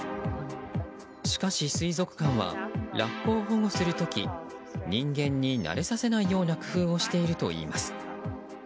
しかし、水族館はラッコを保護する時人間に慣れさせないような工夫をしているといいます。